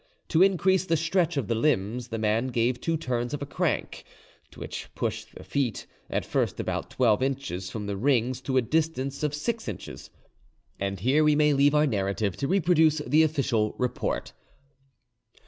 To increase the stretch of the limbs, the man gave two turns to a crank, which pushed the feet, at first about twelve inches from the rings, to a distance of six inches. And here we may leave our narrative to reproduce the official report.